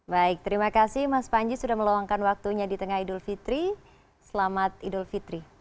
baik terima kasih mas panji sudah meluangkan waktunya di tengah idul fitri selamat idul fitri